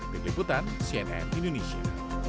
dikliputan cnn indonesia